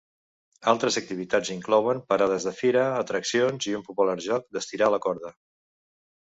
Altres activitats inclouen parades de fira, atraccions i un popular joc d'estirar la corda.